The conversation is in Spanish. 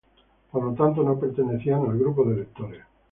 Por lo tanto, no pertenecían al grupo de electores.